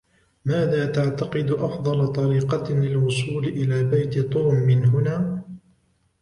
ماذا تعتقد أفضل طريقة للوصول إلى بيت توم من هنا؟